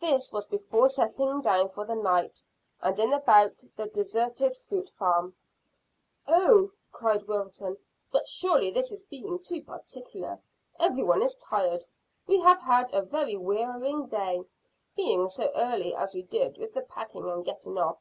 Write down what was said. This was before settling down for the night in and about the deserted fruit farm. "Oh," cried Wilton; "but surely this is being too particular. Every one is tired. We have had a very wearing day, beginning so early as we did with the packing and getting off."